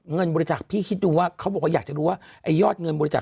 เงินบริจาคพี่คิดดูว่าเขาบอกว่าอยากจะรู้ว่าไอ้ยอดเงินบริจาค